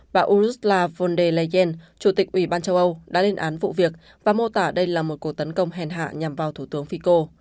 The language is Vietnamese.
và ursula von der leyen chủ tịch ủy ban châu âu đã lên án vụ việc và mô tả đây là một cuộc tấn công hèn hạ nhằm vào thủ tướng fico